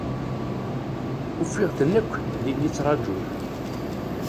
Ufi?-ten akk din i ttrajun.